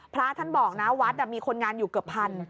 พระท่านบอกนะวัดมีคนงานอยู่เกือบพัน